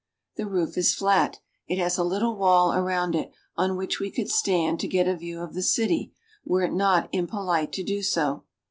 The roof is flat ; it has a little wall around it, on which we could stand to get a view of the city were it not impo lite to do so.